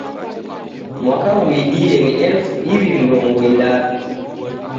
Mwaka ghuidie ni elifu iw'i mrongo idadu.